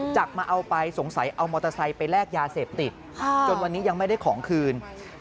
จากมาเอาไปสงสัยเอามอเตอร์ไซค์ไปแลกยาเสพติดจนวันนี้ยังไม่ได้ของคืน